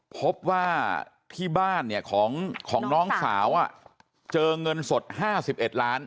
พบว่าที่บ้านเนี่ยของน้องสาวเจอเงินสด๕๑ล้าน